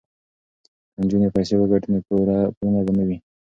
که نجونې پیسې وګټي نو پورونه به نه وي.